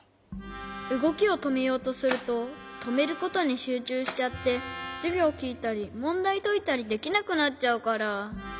うごきをとめようとするととめることにしゅうちゅうしちゃってじゅぎょうきいたりもんだいといたりできなくなっちゃうから。